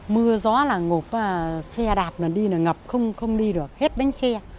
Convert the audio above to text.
mưa gió là ngộp và xe đạp là đi là ngập không đi được hết bánh xe